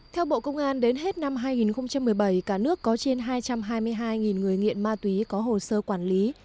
theo bộ công an đến hết năm hai nghìn một mươi bảy cả nước có trên hai trăm hai mươi hai người nghiện ma túy có hồ sơ quản lý